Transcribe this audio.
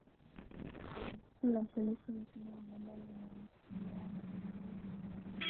na jeshi la polisi nchini uganda linamshikilia mtu mmoja